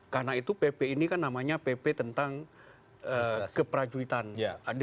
karena itu pp ini kan namanya pp tentang keperajuitan